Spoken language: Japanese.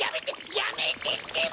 やめてってば！